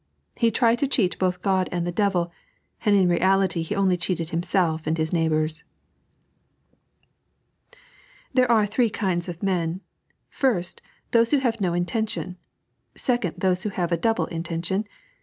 " He tried to cheat both God and the Devil, and in reality he only cheated himself and his neighbours," There are thbee kinds op ukn. First, those who have no intention. Second, those who have a double intention.